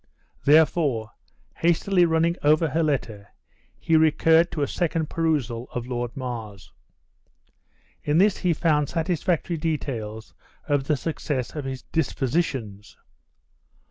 Therefore, hastily running over her letter, he recurred to a second perusal of Lord Mar's. In this he found satisfactory details of the success of his dispositions.